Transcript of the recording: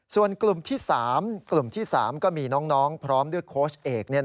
ส่วนกลุ่มที่๓กลุ่มที่๓ก็มีน้องพร้อมด้วยโค้ชเอก